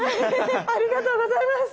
ありがとうございます！